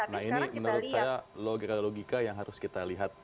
nah ini menurut saya logika logika yang harus kita lihat